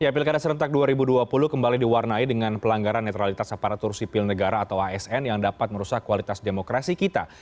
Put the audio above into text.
pilkada serentak dua ribu dua puluh kembali diwarnai dengan pelanggaran netralitas aparatur sipil negara atau asn yang dapat merusak kualitas demokrasi kita